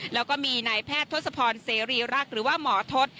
แล้วก็มีนายแพทย์ทศพรเสรีรักษ์หรือว่าหมอทศ